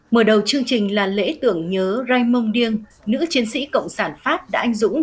mở đầu chương trình là lễ tưởng nhớ raymonde nữ chiến sĩ cộng sản pháp đã anh dũng